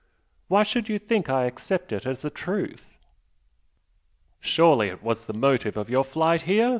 Why should you think I accept it as a truth?" "Surely it was the motive of your flight here?"